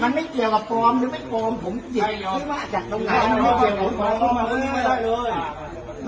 มันไม่เกี่ยวกับพร้อมหรือไม่พร้อมผมหยิดที่ว่าจากตรงนั้นมันไม่เกี่ยวกับผมก็ทำไม